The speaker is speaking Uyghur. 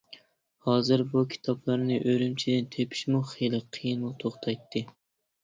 ھازىر بۇ كىتابلارنى ئۈرۈمچىدىن تېپىشمۇ خېلى قىيىنغا توختايتتى.